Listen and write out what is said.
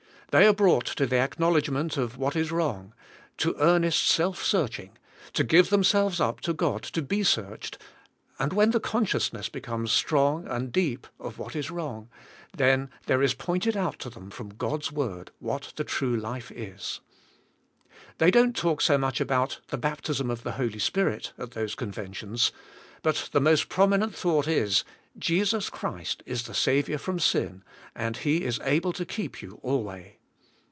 They are brought to the acknowledgment of what is wrong, to earnest self searching, to give them selves up to God to be searched, and when the con sciousness becomes strong and deep of what is wrong, then there is pointed out to them from God's word what the true life is. They don't talk so much about the baptism of the Holy Spirit at those con ventions, but the most prominent thought is, Jesus Christ is the Saviour from sin and He is able to keep you alway.